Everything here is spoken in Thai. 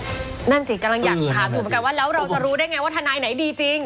นั่นจริงกำลังอยากถามกันกันว่าแล้วเราจะรู้ได้ไงว่าทานายไหนดีจริง